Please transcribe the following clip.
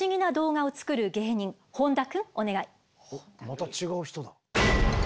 また違う人だ。